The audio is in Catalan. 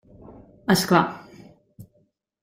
És clar.